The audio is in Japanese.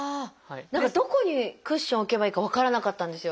何かどこにクッションを置けばいいか分からなかったんですよ。